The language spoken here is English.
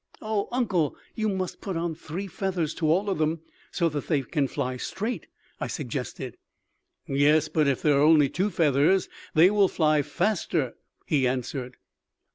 "Oh, uncle, you must put on three feathers to all of them so that they can fly straight," I suggested. "Yes, but if there are only two feathers, they will fly faster," he answered.